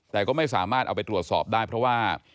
แต่ก็ไม่สามารถเอาไปตรวจสอบได้เพราะว่า